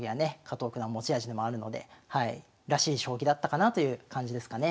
加藤九段持ち味でもあるのでらしい将棋だったかなという感じですかね。